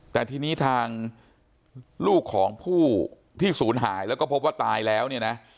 แต่ทีนี้ทางลูกของผู้ที่ศูนย์หายแล้วก็พบว่าตายแล้วเนี่ยนะ